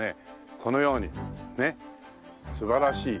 このようにね素晴らしい畑が。